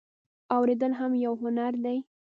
اوریدل هم یو هنر دی